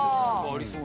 ありそう！